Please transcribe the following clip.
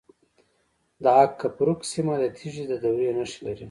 د اق کپروک سیمه د تیږې د دورې نښې لري